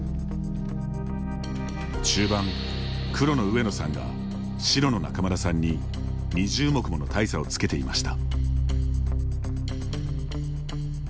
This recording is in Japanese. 中盤黒の上野さんが白の仲邑さんに２０目もの大差をつけていました。